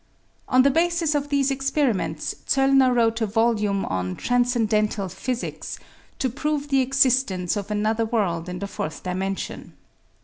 On the basis of these experiments Zollner wrote a volume on " Transcendental Physics " to prove the existence of another world in the fourth dimension.